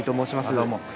どうも。